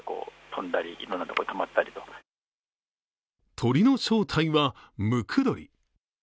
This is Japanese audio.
鳥の正体は、ムクドリ。